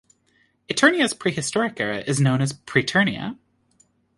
Eternia's prehistoric era is known as Preternia.